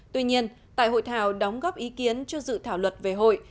tuy nhiên tại hội thảo đóng góp ý kiến cho dự thảo luật về hội